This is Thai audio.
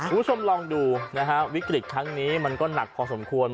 ผู้ชมลองดูนะครับวิกฤตทั้งนี้มันก็หนักพอสมควร